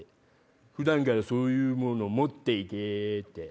「普段からそういうもの持って行け」って。